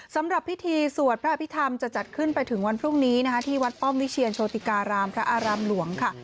สำหรับพิธีสวดพระอภิษฐรรมจะจัดขึ้นไปถึงวันพรุ่งนี้นะคะที่วัดป้อมวิเชียรโชติการามพระอารามหลวงค่ะ